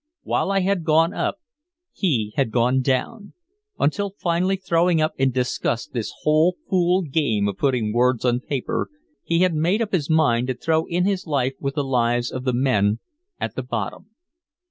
While I had gone up he had gone down, until finally throwing up in disgust "this whole fool game of putting words on paper," he had made up his mind to throw in his life with the lives of the men at the bottom.